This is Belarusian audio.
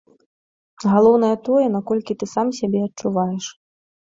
Галоўнае тое, наколькі ты сам сябе адчуваеш.